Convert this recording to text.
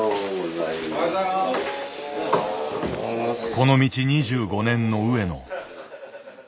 この道２５年の上野。